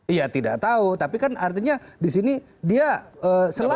iya tidak tahu tapi kan artinya di sini dia selalu